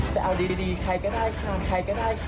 จะเอาดีใครก็ได้ค่ะใครก็ได้ค่ะ